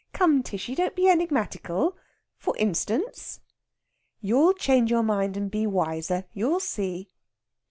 Come, Tishy, don't be enigmatical. For instance?" "You'll change your mind and be wiser you'll see."